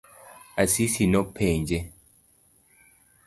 Asisi nopenje?